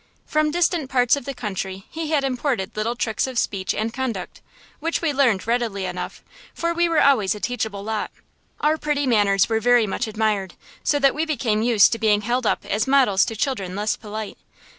From distant parts of the country he had imported little tricks of speech and conduct, which we learned readily enough; for we were always a teachable lot. Our pretty manners were very much admired, so that we became used to being held up as models to children less polite.